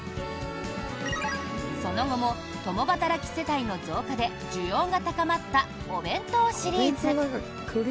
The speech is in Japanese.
その後も、共働き世帯の増加で需要が高まったお弁当シリーズ。